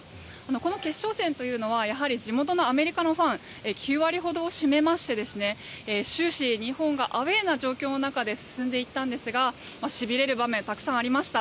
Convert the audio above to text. この決勝戦というのはやはり地元のアメリカのファンが９割ほどを占めまして終始、日本がアウェーな状況で進んでいたんですがしびれる場面たくさんありました。